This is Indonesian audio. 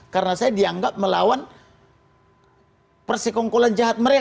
karena saya dianggap melawan persekongkulan jahat mereka